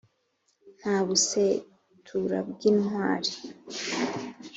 nta busetura bw' intwari